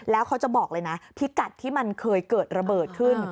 แล้วเขาจะบอกเลยนะพิกัดที่มันเคยเกิดระเบิดขึ้น